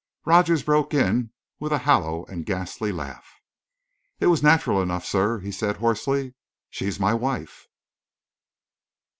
Rogers broke in with a hollow and ghastly laugh. "It was natural enough, sir," he said hoarsely. "She's my wife!"